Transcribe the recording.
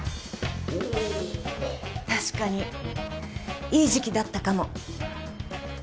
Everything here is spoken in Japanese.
確かにいい時期だったかも。